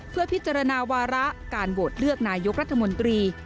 เพื่อพิจารณาวาระการโหวตเลือกนายกรัฐมนตรี